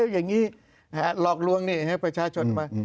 อย่างนี้หลอกลวงนี่ให้ประชาชนมา